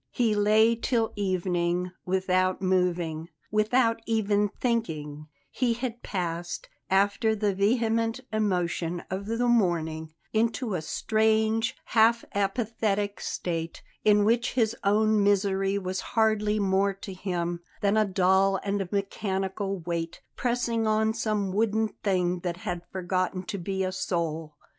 He lay till evening without moving, without even thinking; he had passed, after the vehement emotion of the morning, into a strange, half apathetic state, in which his own misery was hardly more to him than a dull and mechanical weight, pressing on some wooden thing that had forgotten to be a soul.